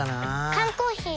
缶コーヒー